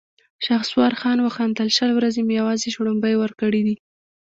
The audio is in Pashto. شهسوار خان وخندل: شل ورځې مې يواځې شړومبې ورکړې دي!